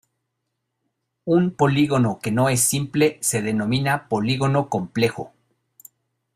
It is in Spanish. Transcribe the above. Un polígono que no es simple se denomina polígono complejo.